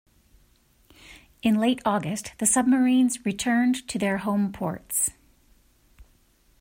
In late August, the submarines returned to their home ports.